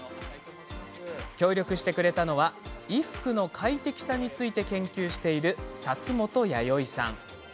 協力してくれたのは、衣服の快適さについて研究している薩本弥生さん。